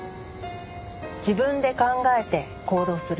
自分で考えて行動する。